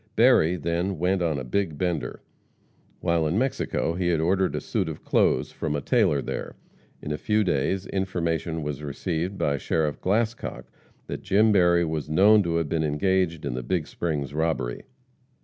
Berry then "went on a big bender." While in Mexico he had ordered a suit of clothes from a tailor there. In a few days, information was received by Sheriff Glascock that Jim Berry was known to have been engaged in the Big Springs robbery.